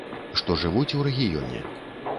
Што жывуць у рэгіёне.